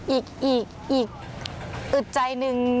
อีกอึดใจหนึ่ง